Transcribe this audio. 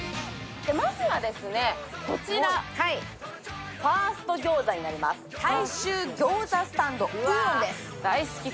まずは、こちらファースト餃子になります、大衆ギョーザスタンドウーロン。